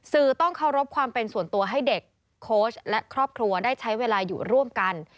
สื่อต้องเคารพความเป็นส่วนตัวให้เด็กโค้ชและครอบครัวได้ใช้เวลาอยู่ร่วมกัน